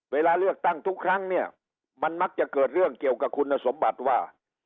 เวลาเลือกตั้งทุกครั้งเนี่ยมันมักจะเกิดเรื่องเกี่ยวกับคุณสมบัติว่า